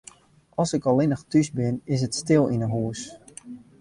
As ik allinnich thús bin, is it stil yn 'e hûs.